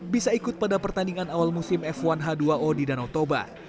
bisa ikut pada pertandingan awal musim f satu h dua o di danau toba